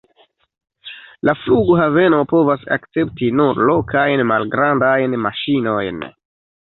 La flughaveno povas akcepti nur lokajn malgrandajn maŝinojn.